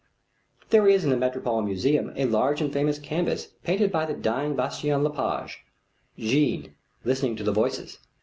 There is in the Metropolitan Museum a large and famous canvas painted by the dying Bastien Lepage; Jeanne Listening to the Voices.